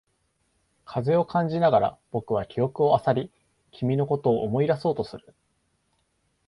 風を感じながら、僕は記憶を漁り、君のことを思い出そうとする。